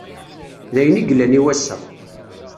D ayen i yellan i wass-a.